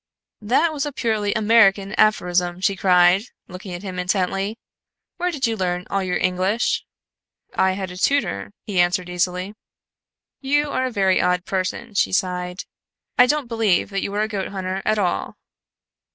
"That was a purely American aphorism," she cried, looking at him intently. "Where did you learn all your English?" "I had a tutor," he answered easily. "You are a very odd person," she sighed. "I don't believe that you are a goat hunter at all."